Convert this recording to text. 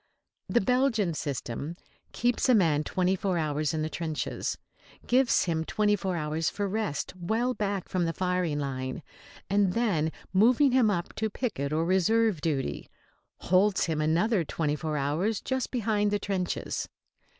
The Belgian system keeps a man twenty four hours in the trenches, gives him twenty four hours for rest well back from the firing line, and then, moving him up to picket or reserve duty, holds him another twenty four hours just behind the trenches.